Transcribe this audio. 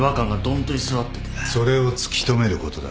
それを突き止めることだ。